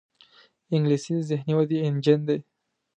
انګلیسي د ذهني ودې انجن دی